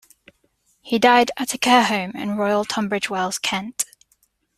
He died at a care home in Royal Tunbridge Wells Kent.